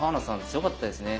強かったですね。